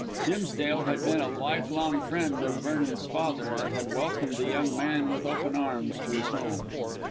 Dimsdale had been a life long friend of Vernon's father, and had welcomed the young man with open arms to his home.